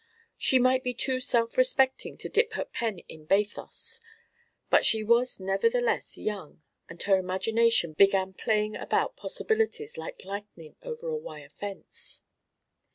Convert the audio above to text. She might be too self respecting to dip her pen in bathos, but she was nevertheless young, and her imagination began playing about possibilities like lightning over a wire fence.